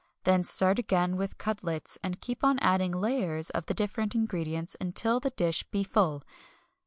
Then start again with cutlets, and keep on adding layers of the different ingredients until the dish be full.